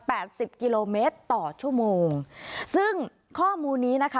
สิบกิโลเมตรต่อชั่วโมงซึ่งข้อมูลนี้นะคะ